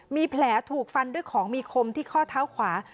มีแผลถูกฟันด้วยของมีคมที่ข้อเท้าขวา